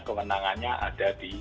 kemenangannya ada di